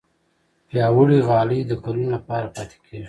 پیاوړې غالۍ د کلونو لپاره پاتې کېږي.